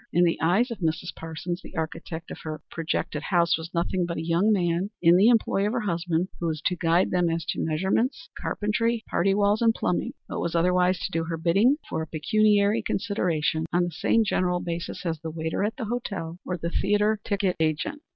In the eyes of Mrs. Parsons the architect of her projected house was nothing but a young man in the employ of her husband, who was to guide them as to measurements, carpentry, party walls and plumbing, but was otherwise to do her bidding for a pecuniary consideration, on the same general basis as the waiter at the hotel or the theatre ticket agent.